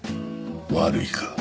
悪いか？